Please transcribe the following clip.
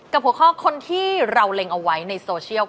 หัวข้อคนที่เราเล็งเอาไว้ในโซเชียล